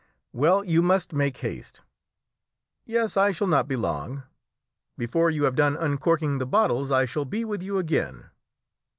"Well, you must make haste." "Yes, I shall not be long. Before you have done uncorking the bottles I shall be with you again."